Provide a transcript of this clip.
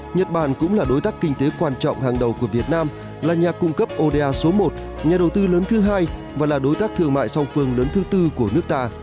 nhật bản cũng là đối tác kinh tế quan trọng hàng đầu của việt nam là nhà cung cấp oda số một nhà đầu tư lớn thứ hai và là đối tác thương mại song phương lớn thứ tư của nước ta